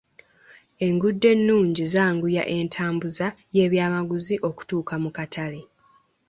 Enguudo ennungi zaanguya entambuza y'ebyamaguzi okutuuka mu katale.